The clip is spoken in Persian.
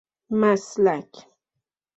مسلک